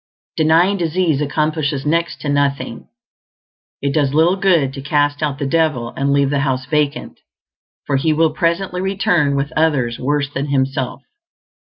Denying disease accomplishes next to nothing; it does little good to cast out the devil and leave the house vacant, for he will presently return with others worse than himself.